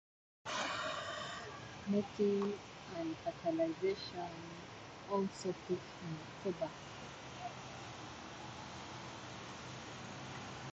Mating and fertilization also peak in October.